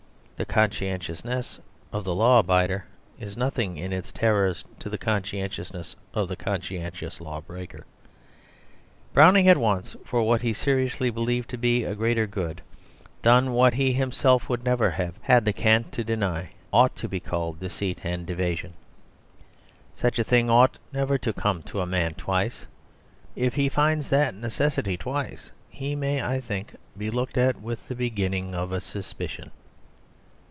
The conscientiousness of the law abider is nothing in its terrors to the conscientiousness of the conscientious law breaker. Browning had once, for what he seriously believed to be a greater good, done what he himself would never have had the cant to deny, ought to be called deceit and evasion. Such a thing ought never to come to a man twice. If he finds that necessity twice, he may, I think, be looked at with the beginning of a suspicion.